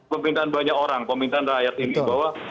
permintaan banyak orang permintaan rakyat ini bahwa